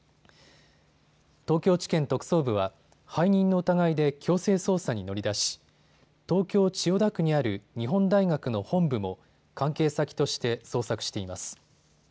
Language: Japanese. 東京地検特捜部は背任の疑いで強制捜査に乗り出し東京千代田区にある日本大学の本部も関係先として捜索しています。